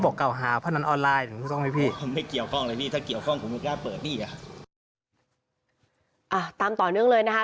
บอกกับหาพนันออนไลน์ไม่เกี่ยวของในพี่มายังใช่เรื่องเลยนะ